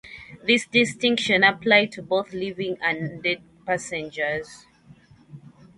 This distinction applied to both living and dead passengers.